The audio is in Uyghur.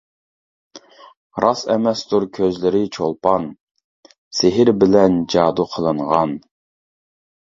راست ئەمەستۇر كۆزلىرى چولپان، سېھىر بىلەن جادۇ قىلىنغان.